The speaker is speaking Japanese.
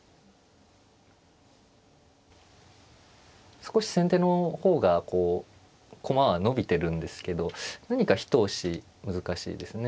少し先手の方がこう駒は伸びてるんですけど何か一押し難しいですね。